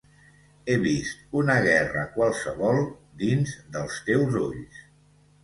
He vist una guerra qualsevol dins dels teus ulls.